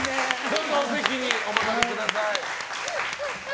お席にお戻りください。